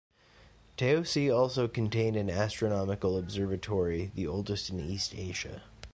Taosi also contained an astronomical observatory, the oldest in East Asia.